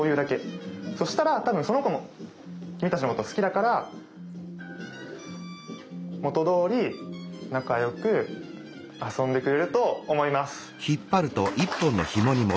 そしたら多分その子も君たちのこと好きだから元どおり仲良く遊んでくれると思います！